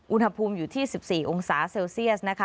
อุณหภูมิอยู่ที่๑๔องศาเซลเซียสนะคะ